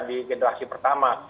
di generasi pertama